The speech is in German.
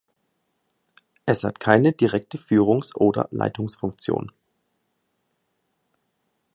Es hat keine direkte Führungs- oder Leitungsfunktion.